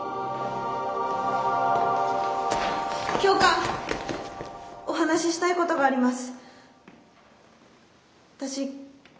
教官お話ししたいことがあります。